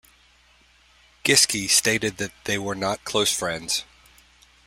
Giske stated that they were not close friends.